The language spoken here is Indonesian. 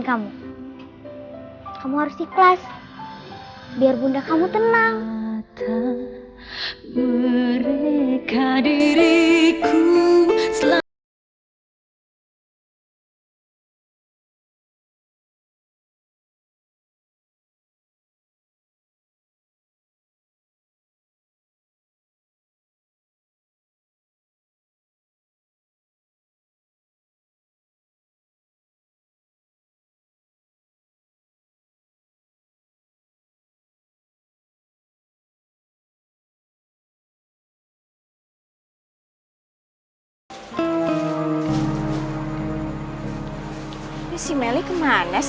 kamu kok gak diminum